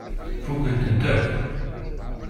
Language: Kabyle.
Fukkent-tent akk.